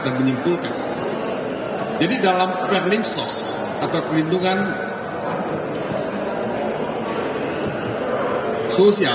dan menyimpulkan jadi dalam perlindungan sosial atau perlindungan sosial